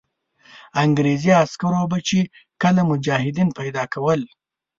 انګرېزي عسکرو به چې کله مجاهدین پیدا کول.